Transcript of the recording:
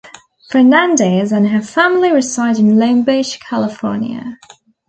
Fernandez and her family reside in Long Beach, California.